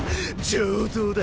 上等だ。